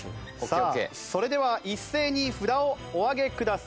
さあそれでは一斉に札をお上げください。